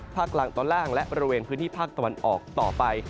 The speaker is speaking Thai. ภาคกลางตอนล่างและบริเวณพื้นที่ภาคตะวันออกต่อไป